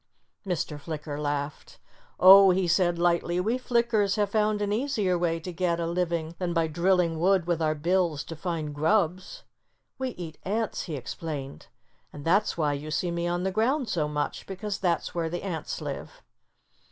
Mr. Flicker laughed. "Oh!" he said lightly, "we Flickers have found an easier way to get a living than by drilling wood with our bills to find grubs. We eat ants," he explained. "And that's why you see me on the ground so much, because that's where the ants live."